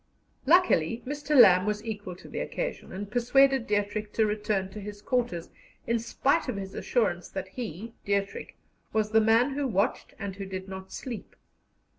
Luckily, Mr. Lamb was equal to the occasion, and persuaded Dietrich to return to his quarters, in spite of his assurance that he (Dietrich) "was the man who watched, and who did not sleep."